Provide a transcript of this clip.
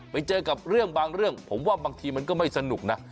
ไปเจอกับเรื่องบางเรื่องผมว่าบางทีมันก็ไม่สนุกนะ